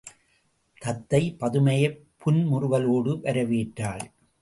தத்தை பதுமையைப் புன்முறுவலோடு வரவேற்றாள்.